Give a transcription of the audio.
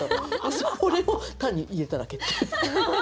それを単に入れただけっていう。